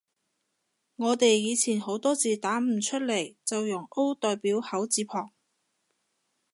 我哋以前好多字打唔出來，就用 O 代表口字旁